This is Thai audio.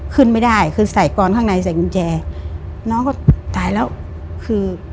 ขึ้นไม่ได้คือใส่กรอนข้างในใส่กุญแจน้องก็ตายแล้วคือ